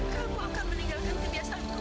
kamu akan meninggalkan kebiasaan itu